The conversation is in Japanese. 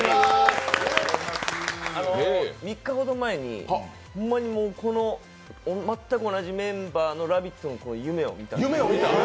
３日ほど前に全く同じメンバーの「ラヴィット！」の夢を見たんですよ。